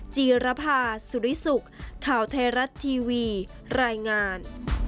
จีรภาสุริสุขข่าวไทยรัฐทีวีรายงาน